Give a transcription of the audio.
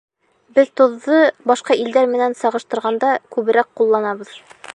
Беҙ тоҙҙо, башҡа илдәр менән сағыштырғанда, күберәк ҡулланабыҙ.